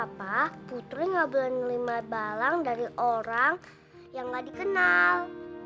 kenapa putri ngabelin lima balang dari orang yang gak dikenal